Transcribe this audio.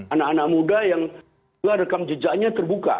anak anak muda yang juga rekam jejaknya terbuka